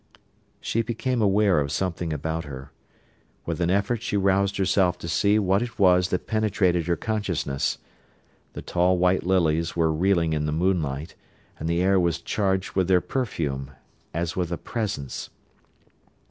She became aware of something about her. With an effort she roused herself to see what it was that penetrated her consciousness. The tall white lilies were reeling in the moonlight, and the air was charged with their perfume, as with a presence.